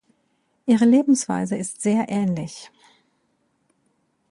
Ihre Lebensweise ist sehr ähnlich.